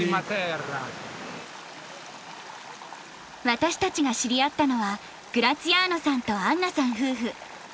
私たちが知り合ったのはグラツィアーノさんとアンナさん夫婦。